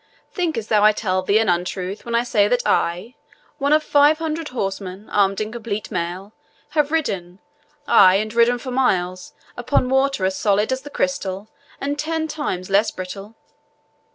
Thinkest thou I tell thee an untruth when I say that I, one of five hundred horsemen, armed in complete mail, have ridden ay, and ridden for miles, upon water as solid as the crystal, and ten times less brittle?"